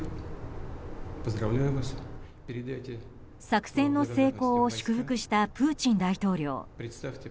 作戦の成功を祝福したプーチン大統領。